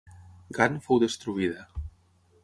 Gant fou destruïda.